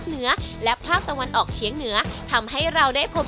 ก็หมดเวลาแล้วครับ